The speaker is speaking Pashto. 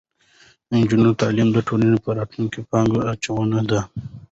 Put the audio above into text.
د نجونو تعلیم د ټولنې په راتلونکي پانګه اچونه ده.